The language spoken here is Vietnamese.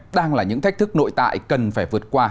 đang là những thách thức nội tại cần phải vượt qua